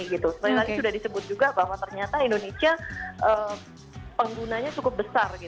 seperti tadi sudah disebut juga bahwa ternyata indonesia penggunanya cukup besar